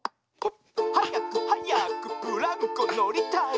「はやくはやくブランコのりたい」